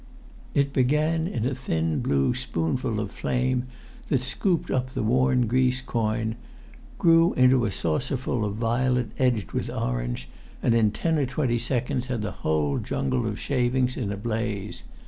It began in a thin blue spoonful of flame, that scooped up the worn grease coin, grew into a saucerful of violet edged with orange, and in ten or twenty seconds had the whole jungle of shavings in a blaze.